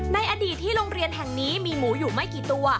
ในอดีตที่โรงเรียนแห่งนี้มีหมูอยู่ไม่กี่ตัว